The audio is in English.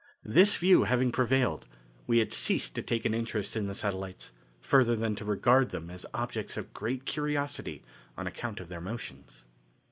This view having prevailed, we had ceased to take an interest in the satellites, further than to regard them as objects of great curiosity on account of their motions.